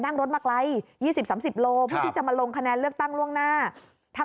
นั่งรถมาไกลยี่สิบสามสิบโลพี่จะมาลงคะแนนเลือกตั้งล่วงหน้า